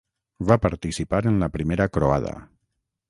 Va participar en la Primera Croada.